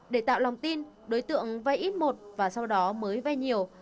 để tạo lòng tin đối tượng ve ít một và sau đó mới ve nhiều